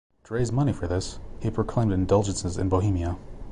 To raise money for this, he proclaimed indulgences in Bohemia.